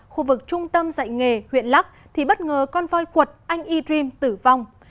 khu vực trung tâm dạy nghề huyện lắc thì bất ngờ con voi quật anh e dream tử vong